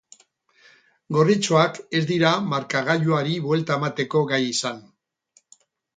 Gorritxoak ez dira markagailuari buelta emateko gai izan.